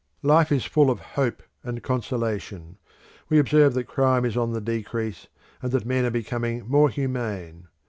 Life is full of hope and consolation; we observe that crime is on the decrease, and that men are becoming more humane.